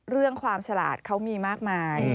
เรื่องความฉลาดเขามีมากมาย